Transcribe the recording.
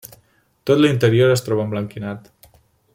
Tot l'interior es troba emblanquinat.